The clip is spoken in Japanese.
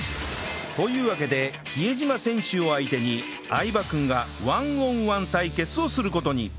というわけで比江島選手を相手に相葉君が １ｏｎ１ 対決をする事に